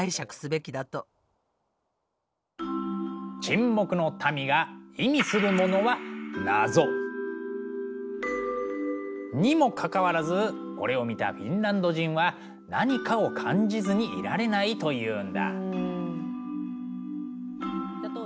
「沈黙の民」がにもかかわらずこれを見たフィンランド人は何かを感じずにいられないというんだ。